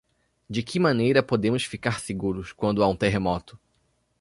De que maneira podemos ficar seguros quando há um terremoto?